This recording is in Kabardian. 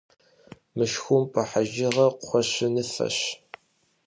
Мышхумпӏэ хьэжыгъэр кхъуэщыныфэщ.